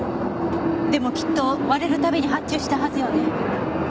でもきっと割れるたびに発注したはずよね。